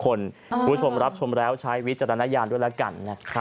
คุณผู้ชมรับชมแล้วใช้วิจารณญาณด้วยแล้วกันนะครับ